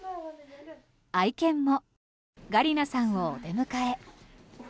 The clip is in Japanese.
愛犬もガリナさんをお出迎え。